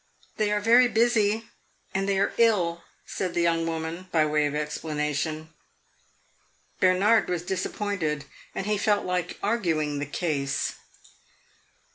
"They are very busy and they are ill," said the young woman, by way of explanation. Bernard was disappointed, and he felt like arguing the case.